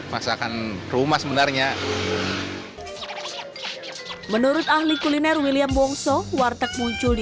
masakan rumah sebenarnya menurut ahli kuliner william wongso warteg muncul di